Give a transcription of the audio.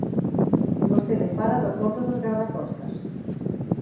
Vostede fala do cobro dos gardacostas.